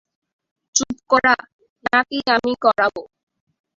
চুপ করা, নাকি আমি করাব!